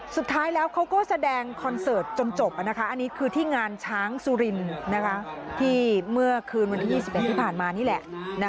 สุดท้ายแล้วเขาก็แสดงคอนเสิร์ตจนจบอันนี้คือที่งานช้างสุรินที่เมื่อคืนวันที่๒๑ที่ผ่านมานี่แหละ